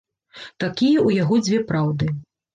Такія ў яго дзве праўды.